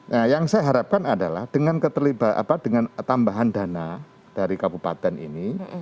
nah yang saya harapkan adalah dengan tambahan dana dari kabupaten ini